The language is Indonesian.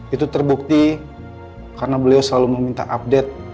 itu terbukti karena beliau selalu meminta update